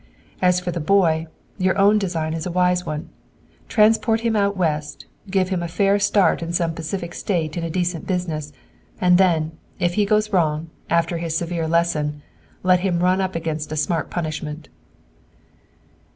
"As for the boy, your own design is a wise one. Transport him out West, give him a fair start in some Pacific State in a decent business, and then if he goes wrong, after his severe lesson, let him run up against a smart punishment."